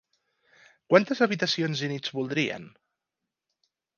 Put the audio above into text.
Quantes habitacions i nits voldrien?